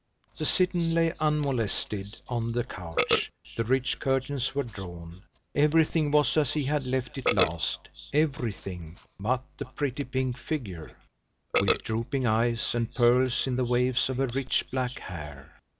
The cithern lay unmolested on the couch, the rich curtains were drawn; everything was as he had left it last everything, but the pretty pink figure, with drooping eyes, and pearls in the waves of her rich, black hair.